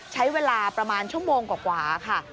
ใช้เวลาประมาณชั่วโมงกว่าค่ะ